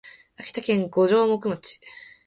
秋田県五城目町